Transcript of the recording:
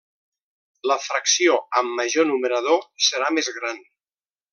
La fracció amb major numerador serà més gran.